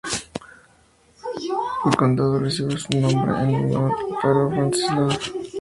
El condado recibe su nombre en honor al Mayor Francis L. Dade.